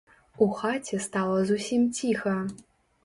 У хаце стала зусім ціха.